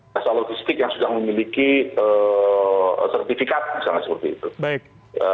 jasa logistik yang sudah memiliki sertifikat misalnya seperti itu